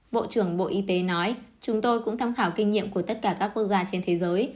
bộ trưởng bộ y tế nói chúng tôi cũng tham khảo kinh nghiệm của tất cả các quốc gia trên thế giới